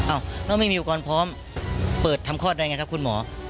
เราไม่มีอุปกรณ์พร้อมเปิดทำคลอดได้ไงครับคุณหมอ